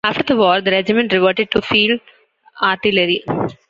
After the war the regiment reverted to field artillery.